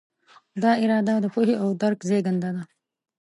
دا اراده د پوهې او درک زېږنده ده.